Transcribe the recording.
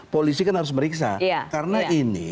polisi kan harus meriksa karena ini